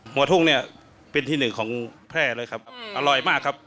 หัวทุ่งเนี่ยเป็นที่หนึ่งของแพร่เลยครับ